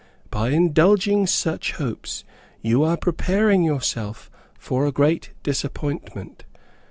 By indulging such hopes you are preparing yourself for a great disappointment.